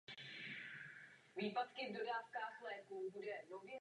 Je to o přijímání zodpovědnosti.